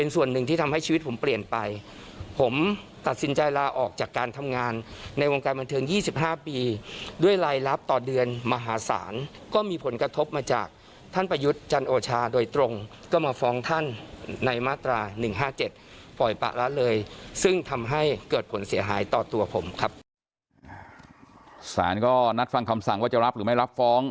ซึ่งทำให้เกิดผลเสียหายต่อตัวผมครับสารก็นัดฟังคำสั่งว่าจะรับหรือไม่รับฟ้อง